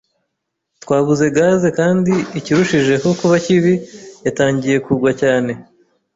Twabuze gaze, kandi ikirushijeho kuba kibi, yatangiye kugwa cyane